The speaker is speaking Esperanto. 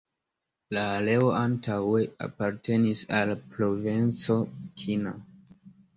La areo antaŭe apartenis al la provinco Kina.